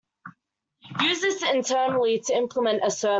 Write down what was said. Use this internally to implement a service.